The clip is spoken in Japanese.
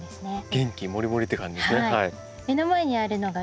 元気もりもりって感じですね。